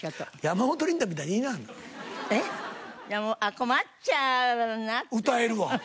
「こまっちゃうナ」歌えるわ。